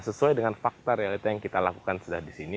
sesuai dengan fakta realita yang kita lakukan sudah di sini